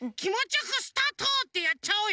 よく「スタート！」ってやっちゃおうよ。